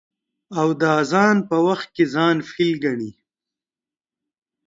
او د اذان په وخت کې ځان فيل گڼي.